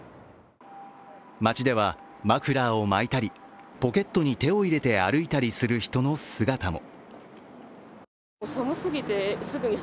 街ではマフラーを巻いたりポケットに手を入れて歩いたりする人の姿も。